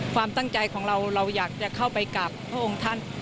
ความตั้งใจของเราเราอยากจะเข้าไปกราบพระองค์ท่าน